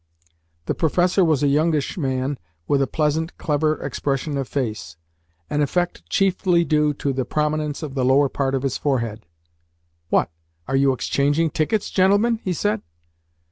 The professor was a youngish man, with a pleasant, clever expression of face an effect chiefly due to the prominence of the lower part of his forehead. "What? Are you exchanging tickets, gentlemen?" he said.